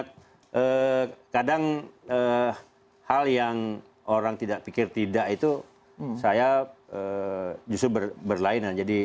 kadang hal yang orang tidak pikir tidak itu saya justru berlainan